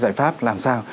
giải pháp làm sao